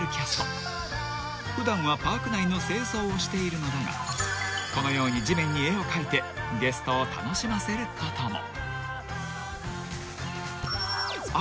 ［普段はパーク内の清掃をしているのだがこのように地面に絵を描いてゲストを楽しませることも］